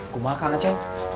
gue makan aja